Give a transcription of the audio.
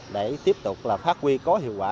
để tiếp tục là phát quy có hiệu quả